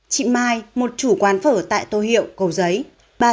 chị mai một chủ quán phở tại tô hiệu cầu giấy